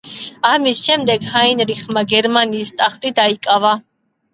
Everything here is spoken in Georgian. ამის შემდეგ ჰაინრიხმა გერმანიის ტახტი დაიკავა.